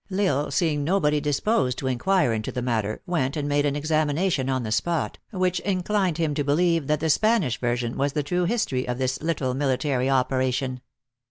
L Isle, seeing nobody disposed to inquire into the matter, w r ent and made an examination on the spot, which inclined him to be lieve that the Spanish version was the true history of this little, military operation.